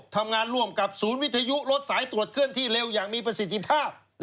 ทำงานร่วมกับศูนย์วิทยุรถสายตรวจเคลื่อนที่เร็วอย่างมีประสิทธิภาพ